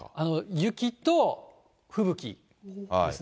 雪と吹雪ですね。